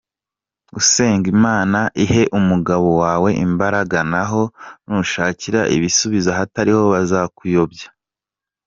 usenge Imana ihe umugabo wawe imbaraga naho nushakira ibisubizo ahatariho bazakuyobya.